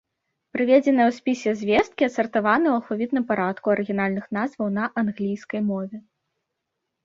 Прыведзеныя ў спісе звесткі адсартаваны ў алфавітным парадку арыгінальных назваў на англійскай мове.